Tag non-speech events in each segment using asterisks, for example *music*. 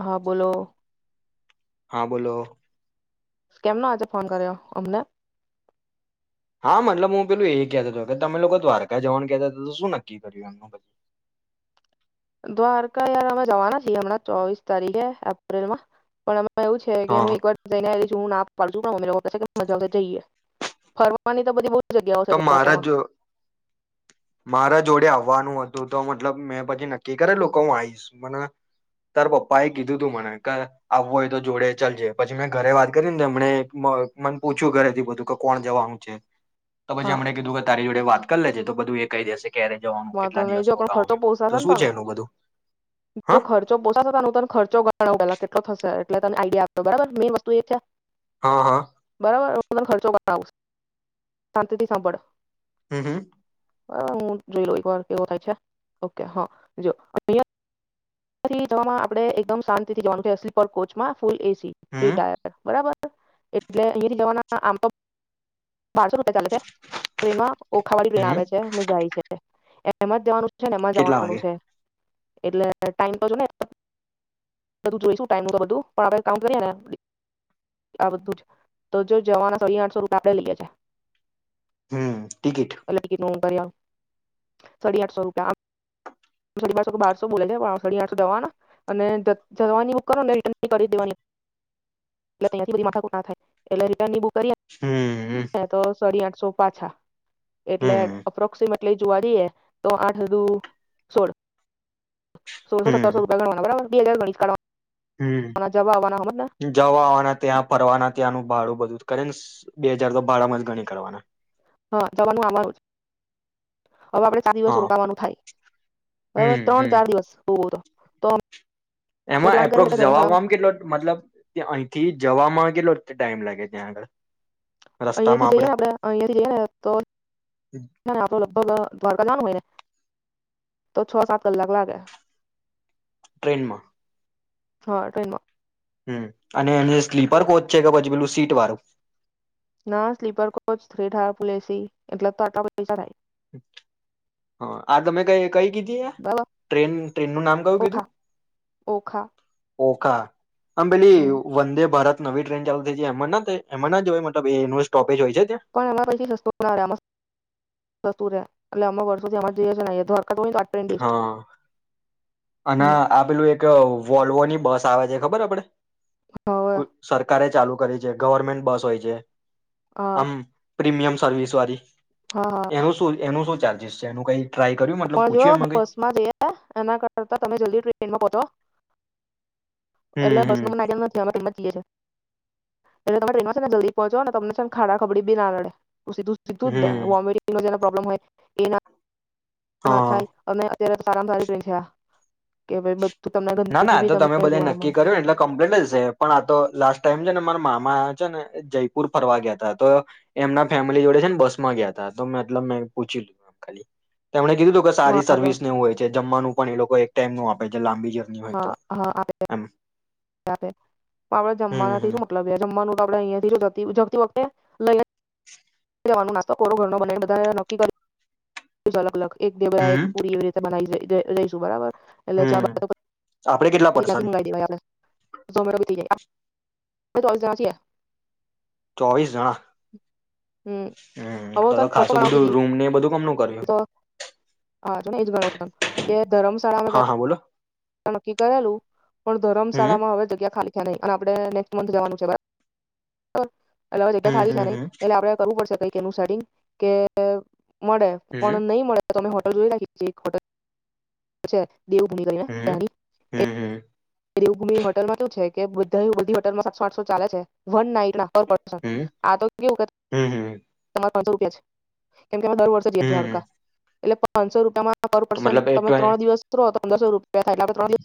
હા બોલો. હા બોલો. કેમનો આજે ફોન કર્યો અમને. હા મતલબ હું પેલું એ કેહેતાતો હતો કે તમે લોકો દ્વારકા જવાનું કેતા હતા તો શું નક્કી કર્યું એમ. દ્વારકા યાર અમે જવાના છીએ હમણાં ચોવીસ તારીખે એપ્રિલમાં પણ અમે એમાં એવું છે કે હા હું એક વાર જઈને આવી રહી છું હું ના પડ જઈએ ફરવાની તો બધી બો તો મારા જો મારા જોડે આવ વાનું હતું તો મતલબ મેં પછી નક્કી કરેલું કે હું આઈશ મને તાર પપ્પા એ કીધું તું મને કા આવવું હોય તો જોડે ચલજે પછી મેં ઘરે વાત કરીને એમને મને પૂછ્યું ઘરે થી બધું કે કોણ જવાનું છે. તો પછી હા એમણે કીધું કે તારી વાત કરી લેજે તો બધું એ કહી દેશે. ક્યારે જવાનું વાંધો કેટલા નય દિવસ જો રોકાવાનું ખર્ચો એમ તો પોસાશે ને શું છે તને એનું બધું હા ઉં તને ખર્ચો બદલાવુ પેલા કેટલો થશે. તે એટલે તને આઈડિયા આપો બરાબર મેં વસ્તુ એ છે. હા હા. બરાબર ખર્ચો બતાવો શાંતિથી સાભળ. હમ્મ હમ્મ. હ જોઈ લો એક વાર કેવય છે ઓકે હા જો થી જવામાં આપડે એકદમ શાંતિથી જવાનું છે સ્લીપર કોચમાં. ફૂલ એસી થ્રી હમ ટાયર બરાબર. એટલે અર જવાના આમ તો બારસો રૂપિયા ચાલે છે ફમાં ઓખાવાળ *unintelligible* હમ આવે છે ને જાય છે. એમાં જ દેવાનું છે ને એમાં કેટલા જવાનું વાગે છે. એટલે ટાઈમ પાજો ને બધું જોઈશું ટાઈમનું તો બધું પણ આપણે કાઉન્ટ કરીએ ને આ બધું જ તો જો જવાના સ આઠસો રૂપ આપણે લઈએ છે. હમ ટિકિટ અ લડકીનું *unintelligible* સાડી આઠસો રૂપિયા બસો બોવાના અને જવાની બ કરો દેવાની ત ના થાય એટલે રિટન ની બુક કરી હમ તો સડી આઠ સોપા છા. એટલે હમ અપ્રોક્સમે લી જોવાળી તો આઠ દુ સોળ. સોલસો સતરસો હમ રૂપિયા કરવાના બરાબર. એ મળાવ *unintelligible* હમ, જવાવાના ત્યાં ફરવાના ત્યાંનું ભાડું બધું કરે ને બે હાજાર તો બારમાં જ ગણી કાઢવાના. હા જવાનું આમારું *unintelligible* હવે આપડણે ચાર દિવસ હા રોકાવાનું થાય, બરોબર હમ ત્રણ હમ ચાર દિવસ હો તો તો અમે એમાં પ્લાન કર્યા છે કે એપ્રોક્સ ધર્મશાળામાં જવાવામાં કેટલો મતલબ અહીંથી જવામાં લો ટાઈમ લાગે છે આગળ? અહિયાંયા થી જઈએને આપડે અહિયાંયાથી જઈએ ને તો, આપ લગભગ દ્વારકા નાનું હોય ને. તો છ સાત કલાક લાગે. ટ્રે્નમાં? હા ટ્રેનમાં. હમ અને એને સ્લીપર કોચ છે કે પછી પેલું સીટ વાળું? ના સ્લીપર કોચ થ્રી થુલેસી એટલે તો આટ પૈ થાય. હા આ તમે કઈ કઈ કીધ એ, બરાબર ટ્રેન ટ્રેન નું નામ કયું કીધું? ઓખા ઓખા ઓકા? આબેલી હમ વંદે ભારત નવી ટ્રેન ચાલુ થઈ છે એમાંના એમમાં જ જો હોય મતલબ એ સ્ટોપ પણ એમાં પછી સસ્તું નામાં સસ્તું ર *unintelligible* એટ અમ વર્ષોથી અમે જઈ છી યધ્વાર ક કટ બેસ્ટ *unintelligible* હા અને હમ આપેલું એક વોલ્વોની બસ તવાજે ખબર આપડે? હવે સરકારે ચાલુ કરી છે ગવર્મેન્ટ બસ હોય છે. હા અમ પ્રીમિયમ સરર્વિસ વાળી. હા એનું શું એનું શું ચાલજશ છે એનું કઈ ટ્રાય કર્યું હ મતલબ જો પૂછ્યું એમાં કઈ બસમાં જ એના કરતા તમે જલ્દી ટ્રેનમાં પોચો. એટલે હમ બસ હમ મને આટમ નથીમે જીએ છીએ *unintelligible* એટલે તમે ટ્રેન છે ને જલ્દી પહોંચો ને તમને છે ને ખાડા ખબડી બી ના લડે. ધ દૂધ દે હમ અમે પ્રોબ્લેમ હો એ ના હા હા થાય અયારે સારામાં સારી ટ્રેન છે આ, થયા કે ભ ના ના તો તમે બધા નક્કી કર્યુંને એટલે કમ્પ્લીટ જ છે પણ આ તો લાસ્ટ મ છે ને મારા મામા છે ને જયપુર ફરવા ગયા તા તો, એમના ફેમિલી જોડે છે ને બસ માં ગયા તા તો મતલબ મેં પૂછી લધુંમ ખાલી. તેમણે કીધું કે વહાં સારી આગળ સર્વિસનેવ હોય છે. જમવાનું પણ એ લોકો એક ટાઈમ નું આપે છે લાંબી જર્ની હોય તો હા હા આપ એમ આપડે હમ જમવાના થી હમ શું મતલબ જમવાનું. *unintelligible* ડા અહીયાથી જતી વખતે લઈ હ. *inaudible* લેવાનું નાસ્તો થોડો ઘર ન બનાને બધા નક્કી કર અલગ અલગ. *unintelligible* એક દેવળ એક હમ. પુરી વગરે તો મઈ જ લઈશું બરાબર. એટલે જી હમ આપડે કેટલા પર્સન મગાવ દમેટી જ *unintelligible* ત તલે જાથી. *unintelligible* ચોવીસ જણા? હમ હવે હું હમ તને ખર્ચો ખાસું ગણાવતી બધું હતી રૂમ ને બધું કમનું કર્યો? તો એ. *unintelligible* હા ધર્મશાળામાં હા બોલો નક્કી કરેલું, પણ હમ ધરમશાળામાં હવે જગ્યા ખાલીખ્યા નહી, અને આપણેનેક જવાનું છે. હા. અલગગ હમ ખાલી છે ન હમ એટ આપડ કરવું પડશે કઈ. કેનું સડી કે મળે હમ પણ નહીં મળે તો તમે જો રાખીટ *unintelligible* દેવ ભૂમ કરીને હમ હમ હમ દેવભૂમિ હોટલમાં શું છે કે બધા બધી હોટલમાં સાતસો આઠસો ચાલે છે વન નાઈટ ના. *unintelligible* હમ આતો કેવું કે હમ હમ તમારે પાંસો રૂપિયા જ કેમ કે દર વર્ષે જઈએ હમ હમ દ્વારકા એટલે પાંસો રૂપિયામાં પર તો પર્સન મતલબ એ તમે ટ્વે- ત્રણ દિવસ રોહ તો પંદરસો રૂપિયા. *unintelligible*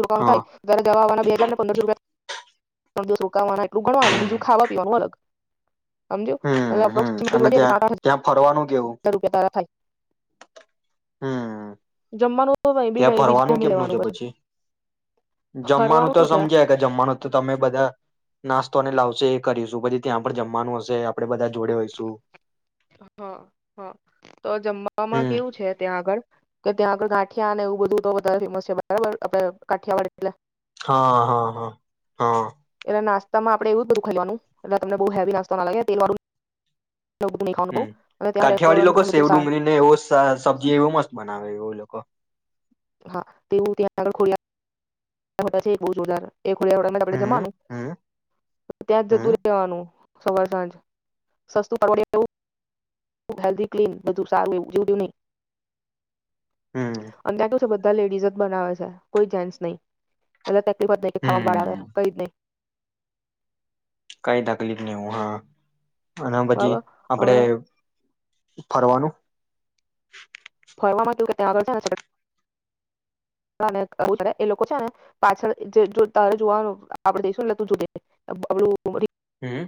રોકાણ હા થાય. ઘરે જવાના બે હજાર ને પંદરસો રૂપિયા થાય ત્રણ દિવસ રોકાવાના એટલું ગણવાનું, બીજું ખાવા પીવાનું અલગ સમજિયો, અવે હમ હમ એપ્રોક્સિમેટ અને લાગે કે ત્યાં સાત આઠ ત્યાં ફરવાનું કેવું હજાર તું કે તારા થાય હમ્મ. *unintelligible* ત્યાં કંઈ બી ફરવાનું જમી કેમનું લેવાનું છે પછી જમવાનું ફરવાનું તો શું છે સમજાય કે જમવાનું તો તમે બધા નાસ્તોને લાવશે એ કરીશું પછી ત્યાં પણ જમવાનું હશે, આપડે બધા જોડે હોઈશું. હા, હા, તો જમવામાં હમ કેવું છે ત્યાં આગળ કે ત્યાં આગળ ગાઠિયા અને એવું બધું તો ફેમસ છે બરાબર. આપડે કાઠિયાવાડ એટલે હા હા હા હા એટલે નાસ્તામાં આપણે એવું બધું ખાવાનું એટલે તમને બોવ હેવી નાસ્તા ના લાગે તેલ વાળું બધું નહી ખાવાનું બહુ હમ્મ અને ત્યાં કાઠિયાવાળડી રેસ્ટોરન્ટ લોકો સેવ બધું સારું ડુંગળી ને એવો સબ્જી એવો મસ્ત બનાવે એ લોકો હા, તેું ત્યાં આગળ ખોડિયાર હોટલ છે એ બોવ જોરદાર એ ખોડિયાર હોટલમા આપડે હમ જમાવાનું હમ ત્યાં જ જતું હમ રેવાનું સવાર સાંજ સસ્તું *unintelligible* હેલ્ધી ક્લીન બધું સારું એવું, જેવું બેવું નઈ હમ અને ત્યાં તો બધા લેડીઝજ બનાવે છે કોઈ જેન્ટ્સ નઈ એટલે *unintelligible* ખાવામા વાળ હમ આવે કઈજ નઈ કઈ તકલીફ નહી ઉ હા અને પછી બરાબર આપડે હવે ફરવાનું ફરવામાં કેવું કે ત્યાં આગળ છેને *unintelligible* એ લોકો છે ને પાછળ જે જો તારે જોવાનું આપડે જઈશું લે તું જોજે *unintelligible* હમ્મ.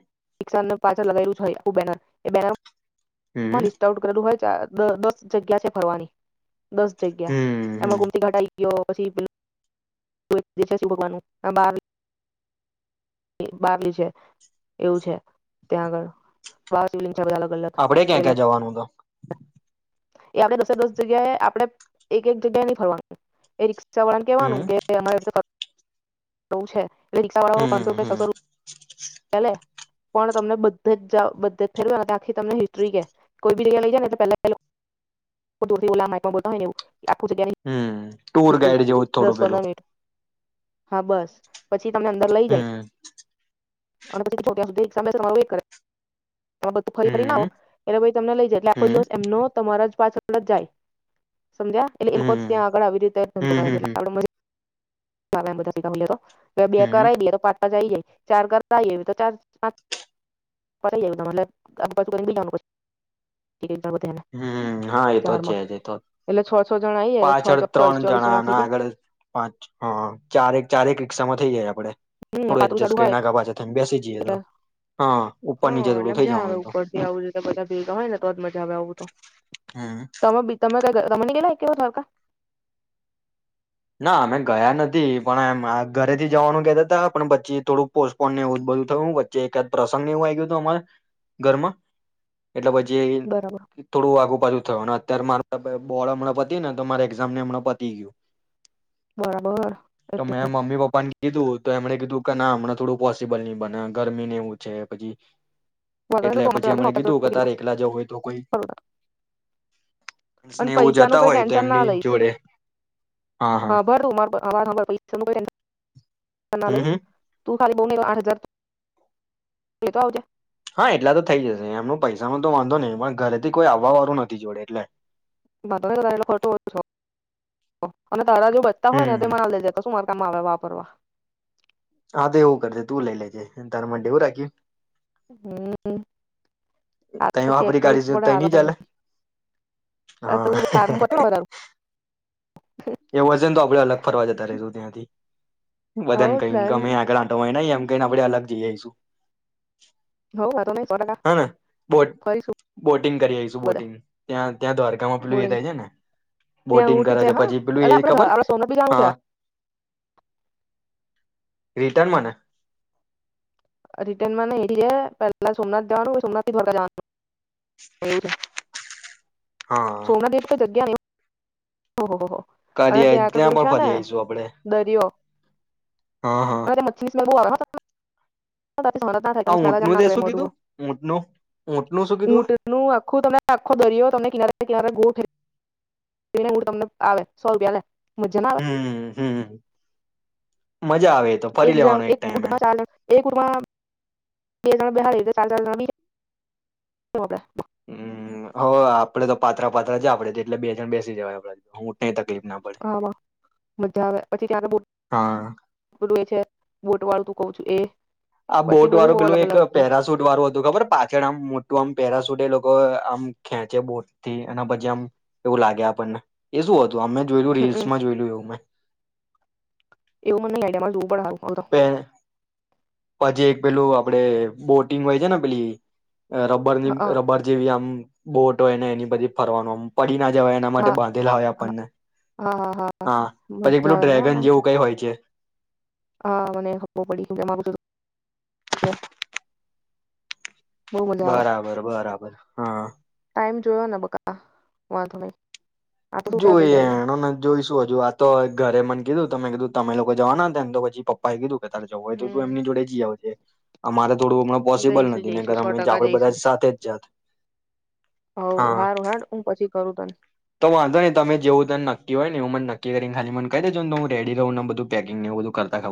પાછળ લગેલું છે આખું બેનર એ બેનર હમ લિસ્ટ આઉટ કરેલું હોય દસ જગ્યા છે ફરવાની દસ જગ્યા હમ એમાં હમ ગુમતી ઘાટ આઈ *unintelligible* બારલી છે એવું છે ત્યાં આગળ બારલી આપડે ક્યાં ક્યાં જવાનું તો? એ આપણે દસે દસ જગ્યાએ આપડે એક એક જગ્યાએ નઈ ફરવાની એ રિક્ સા વાળાને કેવાનું હમ કે અમારે તો ડઉ છે. રિક્ષાવાળો પાંનસો હમ રૂપિયા હમ છસો રુપિયા લે પણ તમને બધે જ જાવ બધે જ ફેરવે અને આખી તમને હિસ્ટ્રી કે કોઈ બી જગયાએ લઈ જાયને એટલે પેલ્લે *unintelligible* હમ્મ ટુર હિસ્ટ્રી ગાઈડ જેવું જ દસ થોડું પંદર પેલું મિનિટ હા બસ, પ છી તમને અંદર લઈ જાય હમ અને પછી *unintelligible* તમે બધું ફરી ફરી ને આવો હમ એટલે પછી તમને લઈ જાય એટલે આખો હમ દિવસ તમારા જ પાછળ બધા જાય સમજ્યા એટલે એલકો ત્યાં હમ આગળ આવી રીતે *unintelligible* હમ કરે હમ એટલે હમ આપડે *unintelligible* બે બે હમ કરાઈ દે તો પા જાઈએ ચાર કર તા હોઈએ *unintelligible* *unintelligible* હમ્મ, હા એતો છેજ એતો, છ છ જણા આઈ જાય તો છ પાછળ ચોક ચોવીસ ત્રણ ચોવીસ જણા અને થઈ જાય આગળ પાંચ અ ચારેક ચારેક પિકક્ષામાં થઈ જાયએ આપડે હમ થોડું પાતડુ એડજસ્ટ જાડુ કરી હોય નાખા પાછા થઈને બેસી જઈએ તો એટલે હા ઉપર હં નીચે એટલે થોડું થઈ મજા આવે જવાનું તો ઉપરથી આવી રીતે બધા ભેગા હોય ને તો જ મજા આવે આવુ તો હમ્મ. તમે બી તમે તમે ની ગેલા એકે વાર દ્વારકા? ના અમે ગયા નથી પણ એમ મારા ઘરેથી જવાનું કેતા તા પણ પછી થોડું પોસ્ટપોન એવું જ બધું થયું ન વચ્ચે એકાદ પ્રસંગ એવું આઈ ગયું તું અમારે ઘરમાં એટલે પછી બરાબર થોડું આઘુપાછુ થયો ના અત્તારે માર બોર્ડ હમણાં પતી ને તો મારે એક્ઝામ ને હમણાં પતી ગયું. બરાબર, તો એટલે મેં મમ્મી પપ્પાને કીધું તો એમણે કીધું કે ના હમણાં થોડું પોસિબલ ની બને ગરમી ને એવું છે પછી એટલે પછી હમણે કીધું કે તારે એકલા જવુ હોય તો કોઈ ડન્સને અને એવું પૈસા જતા નું કઈ હોય તો એમની જોડે હા હા હાંભર *unintelligible* હમ ાલી હમ બહુ આઠ હજાર તો આવજ *unintelligible* હા એટલા તો થઈ જશે એમનો પૈસા ન તો વાંધો નહી પણ ઘરે થી કોઈ આવવા વાળું નથી જોડે એટલે. વાંધ લો ખચોું છ અને *unintelligible* સારા જો બચા હોય ને હમ મના લેા સુમાર *unintelligible* કમા આવે વાપરવા. હા તો એવું કરજે તું લઈ લેજે તાર મ ડેવું રાખ્યું. હમ. આ ત તો ચેક વાપરી કરવું ગાડી ત પડે આવે નહી છે ચાલે, આ હા. તું બારમું પતાવ એ વજન તો આપડે અલગ ફરવા જતા રશું ત્યાંથી. બધન હવ ક ડન ગમે આગળ આંમ કને આપડે અલગ જઈ આવીઈશું. હવ વાંધો નઈ સો ટકા હાને બોટ ફરીશું બોટિંગ કરી આવીઈશું બધા બોટિંગ ત્યાં ત્યાં દ્વારકામાં પેલું એ બોડીંગ થાય છે ને, બોટિંગ કરે છે પછી પેલું એ એલા આપડે ખબર આપડે સોનું બીજનું છે. હા રિટર્ન માને? રિટર્નમાં નહ જ પેલા સોમનાથ જવાનું સોમનાથ થી દોરકા જવાનું. એવું છે. હા સોમના દવ કોઈ જગ્યા ઓહ હો હો. કા ત્યાં પણ ફરી આવીઈશું આપડણે. હ મચછીની સ્લવા. *unintelligible* *unintelligible* નું આખું આ ઊંટનું તે શું કીધું ઊંટનું ઊંટનું શું કીધું તમને આખો દર્યો તમને કિનારે કિનારે ગોઠ એ હડ તમને આવે સો રૂપિયા લે. મજા ના આવે હમ હમ. મજા આવે તો ફરી લેવાનો એક ટાઈમે. એ કમાં તેના બિહારીઓ તાલજાના થોડા. હમ હો આપડે તો પાત્રા પાત્રા જ આપડે છે એટલે બે જણ બેસી જવાય, આપ હું ન ત હા મજા આવે પછી ત બું હા છે. *unintelligible* બોટ વાળું તું કઉ છું એ. આ પછી બોટ બધું વાળું બહુ પેલું અલગ એક અલગ હોય. પેરાસૂટ વાળું હતું ખબર પાછળ આમ મોટું આમ પેરાસૂટ એ લોકો આમ ખેંચે બોટ થી એ પછી આમ એવું લાગે આપણને એ શું હતું? તો અમે જોયલું હમમ રીલ્સમાં જોયલું એવું મેં. એવું મને લડ્યા *unintelligible* પે. પછી એક પેલું આપડે બોટિંગ હોય છે ને પેલી. રબરની હા રબર જેવી આમ બોટ. ને એની બધી ફરવાનું. ના જવાય એના માટે હા બાંધેલા હોય આપણને હા પછી પેલું મજા ડ્રેગન જેવું કઈ હોય છે. આ મ હબ પ આમાજ. બરાબર બરાબર હા. જોવા ના બકા વાંધો નહી. જોઈ એણે જોઈશું હજુ આતો ઘરે મને કીધું તમે કીધું તમે લોકો જવાનાને તો પછી પપ ભાઈ કીધું કે ત્યારે જવું હોય તો તું હમ એમની જોડે જી આવ અમારે થોડું હમણા પોસિબલ જઈશું નથી, ને જઈશું કર સો અમે ટકા આપડે બધા જઈશું. સાથે જ જાત હવ હારું હેડ હું પછી કરું તને તો વાંધો નહી તમે જેવું તને નક્કી હોય ને એવું મને નક્કી કરીને ખાલી મને કહી દેજો ને હું રેડી રહું ને બધું પેકિંગ એવુ બધું કરતા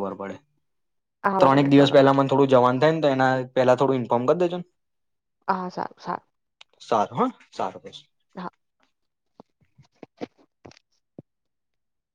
હા વાંધો ત્રણક નઈ સો દિવસ ટકા પહેલા મને થોડું જવાનું ને એના પેલા થડું ઈન્ફોર્મ કરી દેજો ને. હા સારું સારું. સારું હા, સારું પછી. હા.